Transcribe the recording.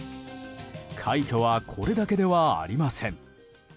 快挙はこれだけではありません。